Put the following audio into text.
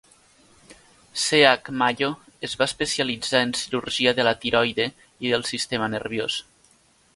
C. H. Mayo es va especialitzar en cirurgia de la tiroide i del sistema nerviós.